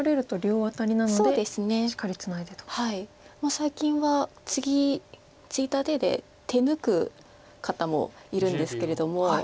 最近はツギツイだ手で手抜く方もいるんですけれども。